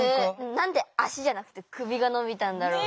何で足じゃなくて首が伸びたんだろう。